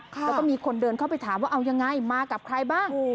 แล้วก็มีคนเดินเข้าไปถามว่าเอายังไงมากับใครบ้าง